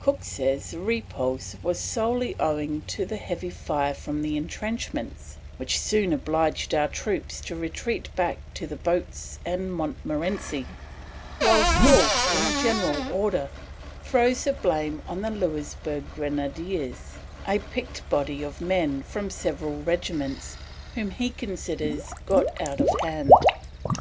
Cook says the repulse was solely owing to the heavy fire from the entrenchments, "which soon obliged our Troops to retreat back to the Boats and Montmorency"; whilst Wolfe, in a general order, throws the blame on the Louisburg Grenadiers, a picked body of men from several regiments, whom he considers got out of hand.